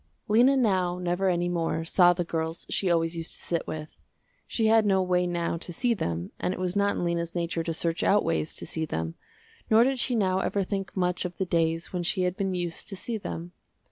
Lena now never any more saw the girls she always used to sit with. She had no way now to see them and it was not in Lena's nature to search out ways to see them, nor did she now ever think much of the days when she had been used to see them.